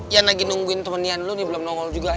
yan lagi nungguin temen nian belum nongol juga